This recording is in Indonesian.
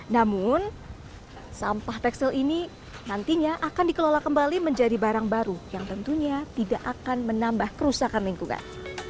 namun sampah tekstil ini nantinya akan dikelola kembali menjadi barang baru yang tentunya tidak akan menambah kerusakan lingkungan